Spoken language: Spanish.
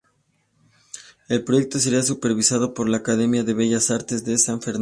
El proyecto sería supervisado por la Academia de Bellas Artes de San Fernando.